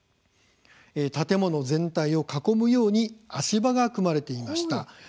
建物全体を囲むように足場が組まれていました。